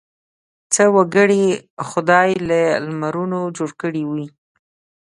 څه وګړي خدای له لمرونو جوړ کړي وي.